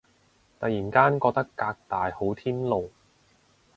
突然間覺得革大好天龍